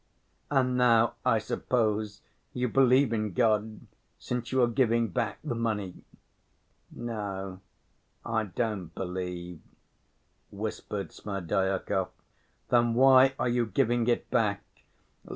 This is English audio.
"And now, I suppose, you believe in God, since you are giving back the money?" "No, I don't believe," whispered Smerdyakov. "Then why are you giving it back?"